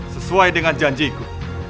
sesuai dengan janjiku